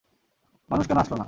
মানুষ কেনো আসলো না?